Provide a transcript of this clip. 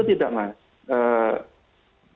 itu tidak mas